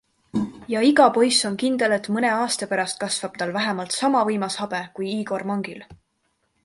Ja iga poiss on kindel, et mõne aasta pärast kasvab tal vähemalt sama võimas habe kui Igor Mangil.